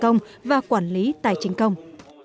công nghiệp và quản lý tài chính công